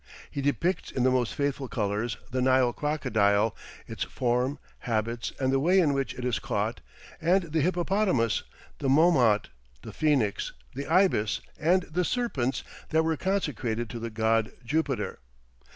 He depicts in the most faithful colours, the Nile crocodile, its form, habits, and the way in which it is caught, and the hippopotamus, the momot, the phoenix, the ibis, and the serpents that were consecrated to the god Jupiter.